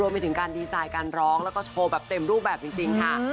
ไปถึงการดีไซน์การร้องแล้วก็โชว์แบบเต็มรูปแบบจริงค่ะ